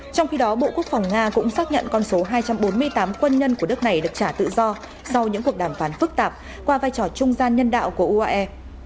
trong khi đó bộ quốc phòng nga cũng xác nhận con số hai trăm bốn mươi tám quân nhân của đất này được trả tự do sau những cuộc đàm phán phức tạp qua vai trò trung gian nhân đạo của uae